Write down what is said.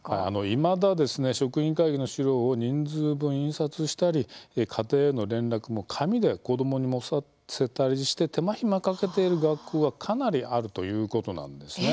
いまだですね職員会議の資料を人数分印刷したり、家庭への連絡も紙で子どもに持たせたりして手間暇かけている学校がかなりあるということなんです。